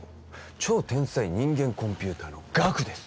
超天才人間コンピューターのガクです